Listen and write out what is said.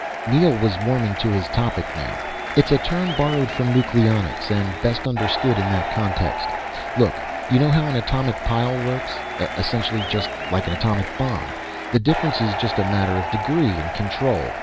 Neel was warming to his topic now. "It's a term borrowed from nucleonics, and best understood in that context. Look, you know how an atomic pile works essentially just like an atomic bomb. The difference is just a matter of degree and control.